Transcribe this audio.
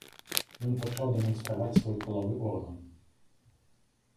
Ён пачаў дэманстраваць свой палавы орган.